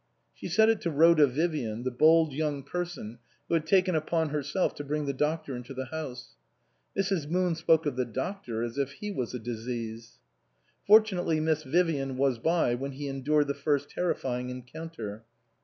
She said it to Rhoda Vivian, the bold young person who had taken upon herself to bring the doctor into the house. Mrs. Moon spoke of the doctor as if he was a disease. Fortunately Miss Vivian was by when he endured the first terrifying encounter.